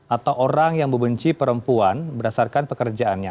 atau orang yang membenci perempuan berdasarkan pekerjaannya